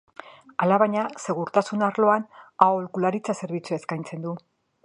Alabaina, segurtasun arloan aholkularitza zerbitzua eskaintzen du.